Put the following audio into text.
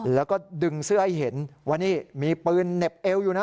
แล้วก็ดึงเสื้อให้เห็นว่านี่มีปืนเหน็บเอวอยู่นะ